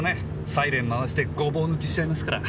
サイレン回してゴボウ抜きしちゃいますから。